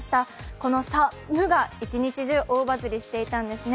この「さっっっっむ」が一日中、大バズりしてたんですね。